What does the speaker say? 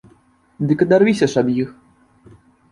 Дык адарвіся ж ад іх!